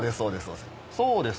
そうです